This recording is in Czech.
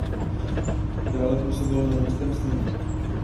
Dále působil na zemském sněmu.